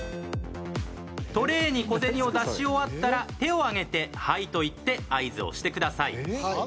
トレーに小銭を出し終わったら手を上げて「はい」と言って合図をしてください。